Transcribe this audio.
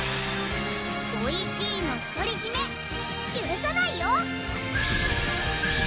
おいしいの独り占めゆるさないよ！